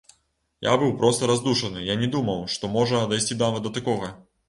Я быў проста раздушаны, я не думаў, што можа дайсці нават да такога.